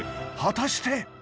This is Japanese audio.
果たして？